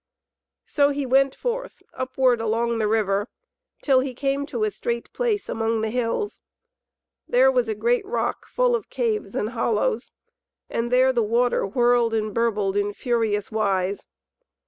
So he went forth, upward along the river, till he came to a strait Place among the hills. There was a great rock full of caves and hollows, and there the water whirled and burbled in furious wise.